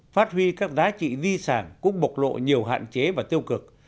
phát huy các giá trị di sản cũng bộc lộ nhiều hạn chế và tiêu cực